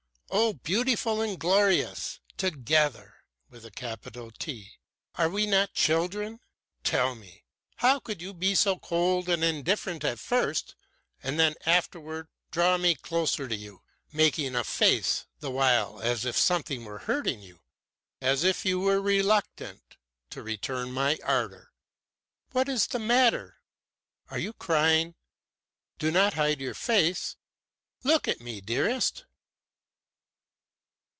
Oh, beautiful and glorious Together! Are we not children? Tell me! How could you be so cold and indifferent at first, and then afterward draw me closer to you, making a face the while as if something were hurting you, as if you were reluctant to return my ardor? What is the matter? Are you crying? Do not hide your face! Look at me, dearest!"